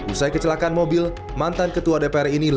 usai kecelakaan mobil mantan ketua dpr ini